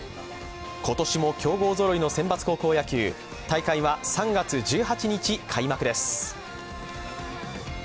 今年も強豪ぞろいの選抜高校野球、大会は３月１８日開幕です。